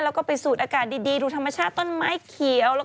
แล้วก็ไปสูดอากาศดีดูธรรมชาติต้นไม้เขียว